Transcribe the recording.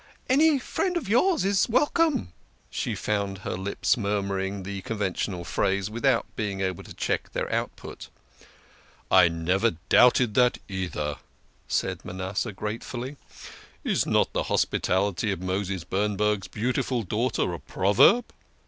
"Any friend of yours is welcome !" She found her lips murmuring the conventional phrase without being able to check their output. " I never doubted that either," said Manasseh gracefully. " Is not the hospitality of Moses Bernberg's beautiful daugh ter a proverb?